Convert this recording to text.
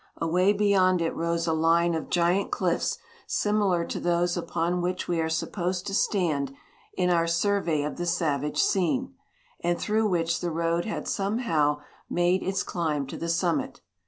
Away beyond it rose a line of giant cliffs similar to those upon which we are supposed to stand in our survey of the savage scene, and through which the road had some how made its climb to the summit.